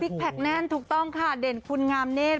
แพคแน่นถูกต้องค่ะเด่นคุณงามเนธ